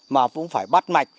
mà cũng phải bắt mạch